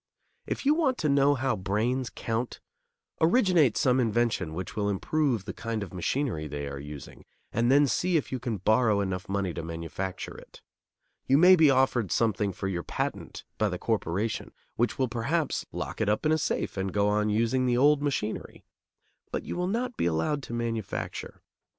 If you want to know how brains count, originate some invention which will improve the kind of machinery they are using, and then see if you can borrow enough money to manufacture it. You may be offered something for your patent by the corporation, which will perhaps lock it up in a safe and go on using the old machinery; but you will not be allowed to manufacture.